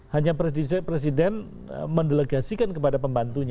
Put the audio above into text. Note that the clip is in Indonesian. hanya presiden mendelegasikan kepada pembantunya